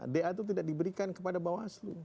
da itu tidak diberikan kepada bawaslu